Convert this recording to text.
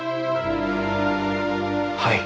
はい。